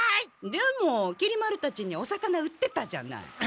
でもきり丸たちにお魚売ってたじゃない。